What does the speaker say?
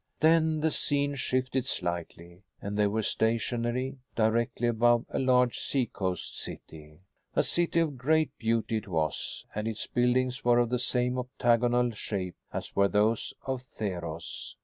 Then the scene shifted slightly and they were stationary, directly above a large seacoast city. A city of great beauty it was, and its buildings were of the same octagonal shape as were those of Theros!